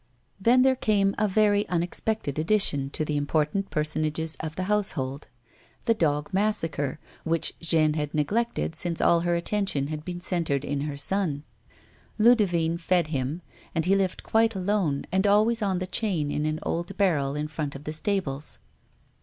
Then there came a very unexpected addition to the im portant personages of the household — the dog Massacre, which Jeanne had neglected since all her attention had been centred in her son. Ludivine fed him, and he lived quite alone, and always on the chain, in an old barrel in front of the stables.